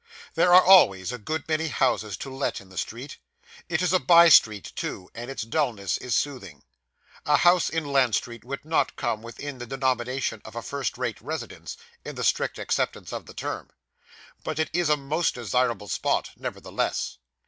There are always a good many houses to let in the street: it is a by street too, and its dulness is soothing. A house in Lant Street would not come within the denomination of a first rate residence, in the strict acceptation of the term; but it is a most desirable spot nevertheless.